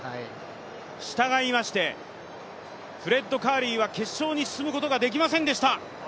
したがいましてフレッド・カーリーは決勝に進むことができませんでした。